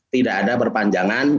tidak ada perpanjangan